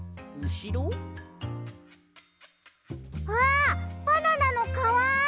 あっバナナのかわ！